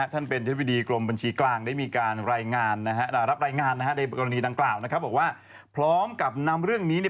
ถึงจะได้บัตรนี้มาที่เราเสนอข่าวอยู่ตลอดเนี่ย